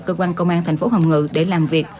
cơ quan công an thành phố hồng ngự để làm việc